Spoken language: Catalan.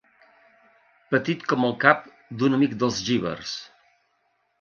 Petit com el cap d'un amic dels jívars.